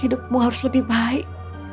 hidupmu harus lebih baik